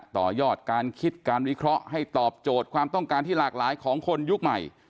ต่อยอดการคิดการวิเคราะห์ให้ตอบโจทย์ความต้องการที่หลากหลายของคนยุคใหม่